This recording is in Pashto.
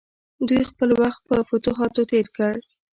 دوی خپل وخت په فتوحاتو تیر کړ.